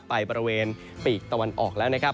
ไปบริเวณปีกตะวันออกแล้วนะครับ